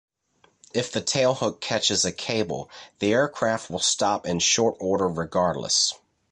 If the tailhook catches a cable, the aircraft will stop in short order regardless.